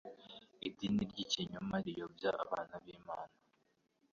idini ry'ikinyoma riyobya abana b'Imana